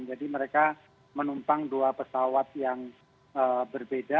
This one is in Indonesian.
jadi mereka menumpang dua pesawat yang berbeda